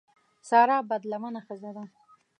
سارا بدلمنه ښځه ده.